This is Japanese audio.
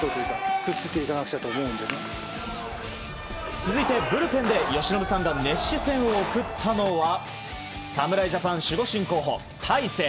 続いてブルペンで由伸さんが熱視線を送ったのは侍ジャパン守護神候補、大勢。